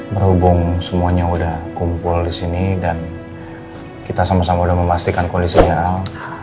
berhubung semuanya sudah kumpul disini dan kita sama sama sudah memastikan kondisi real